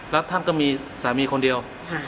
แล้วท่านก็มีสามีคนเดียว